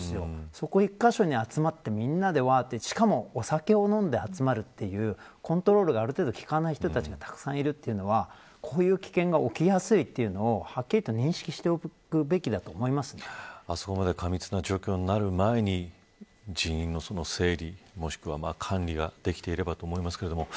そこ１カ所に集まってみんなでしかもお酒を飲んで集まるというのはコントロールが利かない人たちがたくさんいるというのでこういう危険が起きやすいということをはっきりとあそこまで過密な状況になる前に人員の整理や管理ができていればと思います。